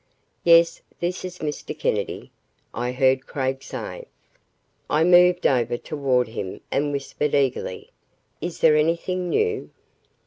"Yes, this is Mr. Kennedy," I heard Craig say. I moved over toward him and whispered eagerly, "Is there anything new?"